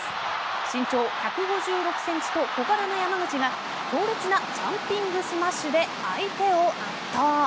身長１５６ｃｍと小柄な山口が強烈なジャンピングスマッシュで相手を圧倒。